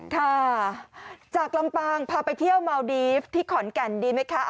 ค่ะจากลำปางพาไปเที่ยวเมาดีฟที่ขอนแก่นดีไหมคะ